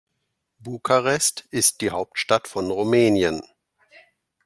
Bukarest ist die Hauptstadt von Rumänien.